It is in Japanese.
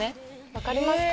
分かりますか？